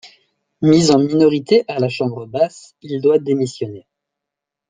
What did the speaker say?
Mis en minorité à la Chambre basse, il doit démissionner.